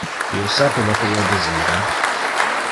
Io sape lo que io desira.